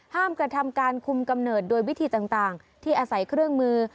กระทำการคุมกำเนิดโดยวิธีต่างที่อาศัยเครื่องมือ